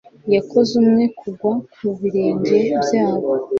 Yakoze umwe kugwa ku birenge byabo